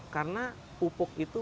karena pupuk itu